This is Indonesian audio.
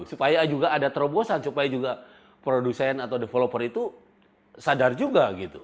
supaya juga ada terobosan supaya juga produsen atau developer itu sadar juga gitu